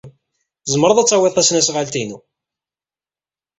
Tzemred ad tawid tasnasɣalt-inu.